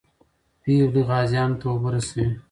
پېغلې غازیانو ته اوبه رسوي.